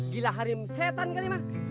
gila harim setan kali man